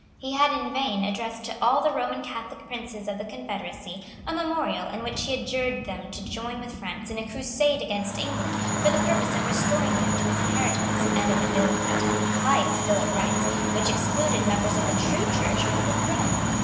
He had in vain addressed to all the Roman Catholic princes of the Confederacy a memorial in which he adjured them to join with France in a crusade against England for the purpose of restoring him to his inheritance, and of annulling that impious Bill of Rights which excluded members of the true Church from the throne.